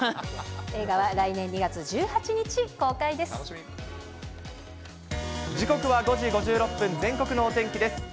映画は来年２月１８日公開で時刻は５時５６分、全国のお天気です。